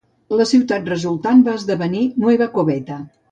La ciutat resultant va esdevenir Nueva Coveta.